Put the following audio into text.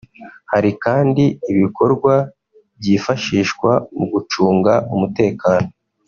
Hari kandi ibikorwa byifashishwa mu gucunga umutekano